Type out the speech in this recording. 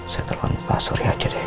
saya telepon pak surya aja deh